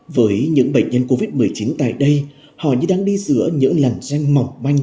với những bệnh nhân covid một mươi chín tại đây họ như đang đi giữa những làn gen mỏng manh